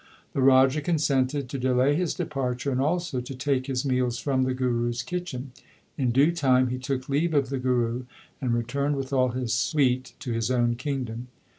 The Raja consented to delay his departure and also to take his meals from the Guru s kitchen. In due time he took leave of the Guru and returned with all his suite to his own kingdom.